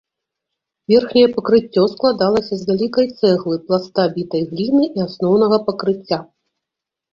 Верхняе пакрыццё складалася з вялікай цэглы, пласта бітай гліны і асноўнага пакрыцця.